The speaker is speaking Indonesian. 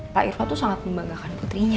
pak irva itu sangat membanggakan putrinya